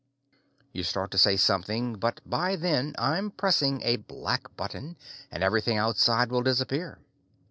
You start to say something, but by then I'm pressing a black button, and everything outside will disappear.